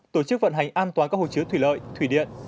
tổ chức vận hành an toàn các hồ chứa thủy lợi thủy điện